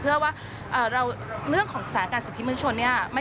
เพราะว่าเรื่องของสถานะสิทธิมิตรชน